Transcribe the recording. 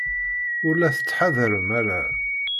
Ur la tettḥadarem ara.